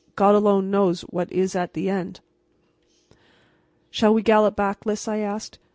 "God alone knows what is at the end!" "Shall we gallop back, Lys?" I asked.